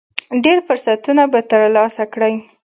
ډېر فرصتونه به ترلاسه کړئ .